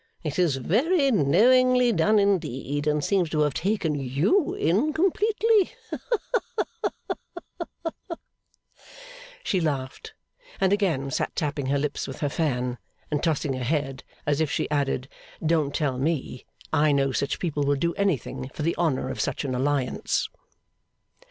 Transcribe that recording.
It is very knowingly done indeed, and seems to have taken you in completely.' She laughed; and again sat tapping her lips with her fan, and tossing her head, as if she added, 'Don't tell me. I know such people will do anything for the honour of such an alliance.